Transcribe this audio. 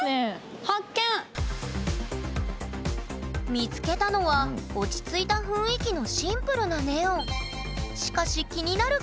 見つけたのは落ち着いた雰囲気のシンプルなネオン。